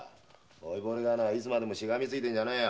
老いぼれがいつまでもしがみついてんじゃねえよ。